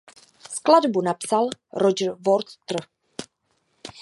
Skladbu napsal Roger Waters.